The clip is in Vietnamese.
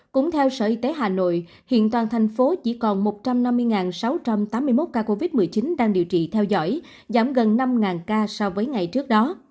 cũng theo sở y tế hà nội hiện toàn thành phố chỉ còn một trăm năm mươi sáu trăm tám mươi một ca covid một mươi chín đang điều trị theo dõi giảm gần năm ca so với ngày trước đó